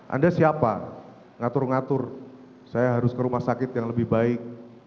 anda siapa ngatur ngatur saya harus ke rumah sakit yang lebih baik